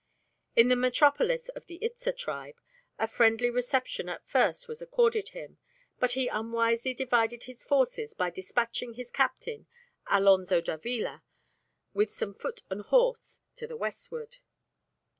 In the metropolis of the Itza tribe a friendly reception at first was accorded him; but he unwisely divided his forces by dispatching his captain, Alonzo Davila, with some foot and horse to the westward.